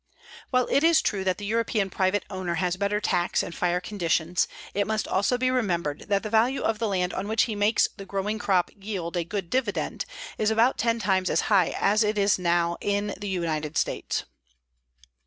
While it is true that the European private owner has better tax and fire conditions, it must also be remembered that the value of the land on which he makes the growing crop yield a good dividend is about ten times as high as it now is in the United States.